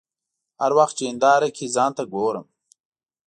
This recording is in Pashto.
هر وخت چې هنداره کې ځان ته ګورم.